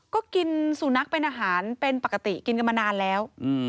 ก็กินสุนัขเป็นอาหารเป็นปกติกินกันมานานแล้ว